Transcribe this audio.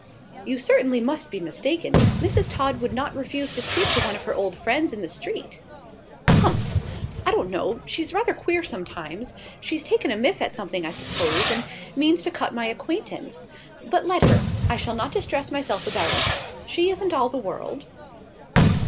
"You certainly must be mistaken. Mrs. Todd would not refuse to speak to one of her old friends in the street." "Humph! I don't know; she's rather queer, sometimes. She's taken a miff at something, I suppose, and means to cut my acquaintance. But let her. I shall not distress myself about it; she isn't all the world."